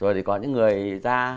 rồi thì có những người ra